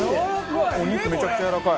お肉めちゃくちゃやわらかい。